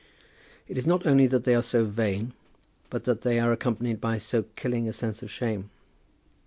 It is not only that they are so vain, but that they are accompanied by so killing a sense of shame!